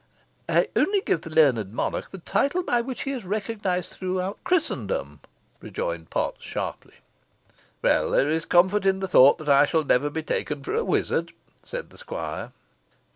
"I only give the learned monarch the title by which he is recognised throughout Christendom," rejoined Potts, sharply. "Well, there is comfort in the thought, that I shall never be taken for a wizard," said the squire.